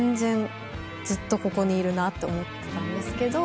ずっとここにいるなって思ってたんですけど。